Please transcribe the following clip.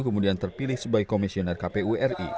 kemudian terpilih sebagai komisioner kpu ri